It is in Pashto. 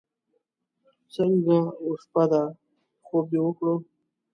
څنګه وه شپه دې؟ خوب دې وکړو.